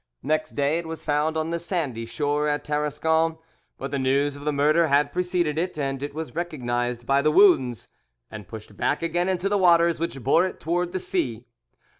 Next day it was found on the sandy shore at Tarascon, but the news of the murder had preceded it, and it was recognised by the wounds, and pushed back again into the waters, which bore it towards the sea.